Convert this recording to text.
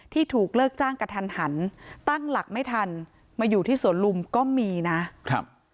ที่ถูกเลิกจ้างกระทันหันตั้งหลักไม่ทันมาอยู่ที่สวนลุมก็มีนะครับ